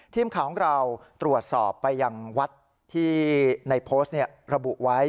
ทีมข่าวของเราตรวจสอบไปยังวัดที่ในโพสต์ระบุไว้